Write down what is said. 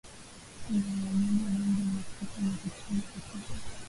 kuna maajabu mengi ni msitu unaopatika katika